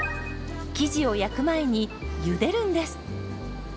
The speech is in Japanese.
生地を焼く前にゆでるんです。